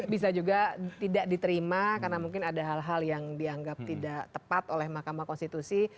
bisa juga tidak diterima karena mungkin ada hal hal yang dianggap tidak tepat oleh mahkamah konstitusi